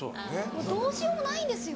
もうどうしようもないんですよ。